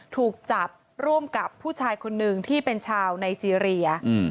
ถูกจับร่วมกับผู้ชายคนหนึ่งที่เป็นชาวไนเจรีย